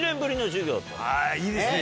いいですね。